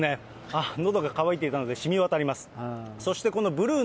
あっ、のどが渇いていたのでしみわたります。